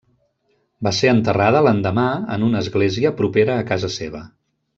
Va ser enterrada l'endemà en una església propera a casa seva.